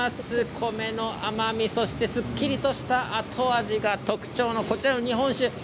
米の甘みそして、すっきりとした後味が特徴のこちらの日本酒。